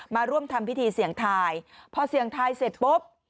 มาร่วมทำพิธีเสี่ยงทายพอเสี่ยงทายเสร็จปุ๊บ